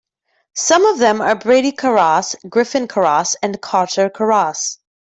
Some of them are Brady Karras, Griffin Karras, and Carter Karras.